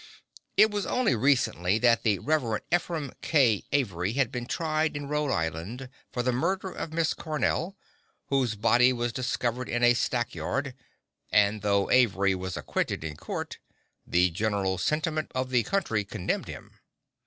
It was only recently that the Rev. Ephraim K. Avery had been tried in Rhode Island for the murder of Miss Cornell, whose body was discovered in a stack yard, and though Avery was acquitted in court, the general sentiment of the country condemned him.